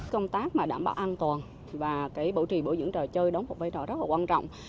công tác mà đảm bảo an toàn và cái bảo trì bổ dưỡng trò chơi đóng một vai trò rất là quan trọng